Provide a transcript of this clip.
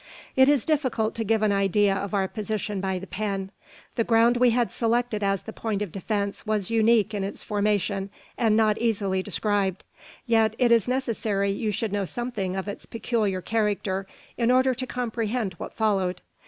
It is difficult to give an idea of our position by the pen. The ground we had selected as the point of defence was unique in its formation, and not easily described; yet it is necessary you should know something of its peculiar character in order to comprehend what followed.